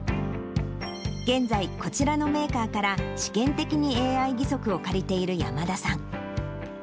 現在、こちらのメーカーから試験的にＡＩ義足を借りている山田さん。